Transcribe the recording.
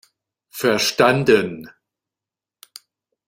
Verstanden!